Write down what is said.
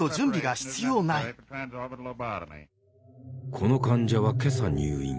この患者は今朝入院。